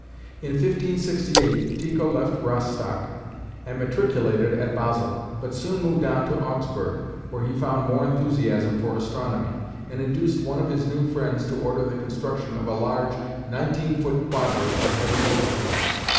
In 1568 Tycho left Rostock, and matriculated at Basle, but soon moved on to Augsburg, where he found more enthusiasm for astronomy, and induced one of his new friends to order the construction of a large 19 foot quadrant of heavy oak beams.